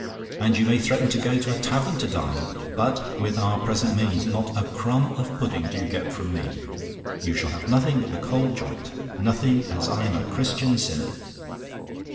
and you may threaten to go to a tavern to dine; but, with our present means, not a crumb of pudding do you get from me. You shall have nothing but the cold joint nothing as I'm a Christian sinner.